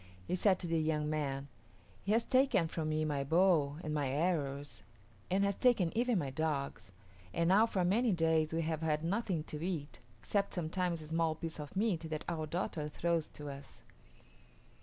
He said to the young man, "He has taken from me my bow and my arrows and has taken even my dogs; and now for many days we have had nothing to eat, except sometimes a small piece of meat that our daughter throws to us."